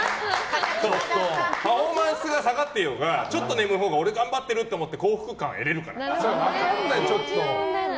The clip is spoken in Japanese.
パフォーマンスが下がってようがちょっと眠いほうが俺、頑張ってるって思って幸福感得られるから。